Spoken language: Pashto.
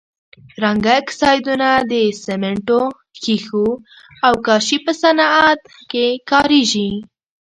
رنګه اکسایدونه د سمنټو، ښيښو او کاشي په صنعت کې کاریږي.